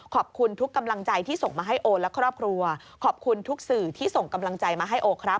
ขอบคุณทุกกำลังใจที่ส่งมาให้โอและครอบครัวขอบคุณทุกสื่อที่ส่งกำลังใจมาให้โอครับ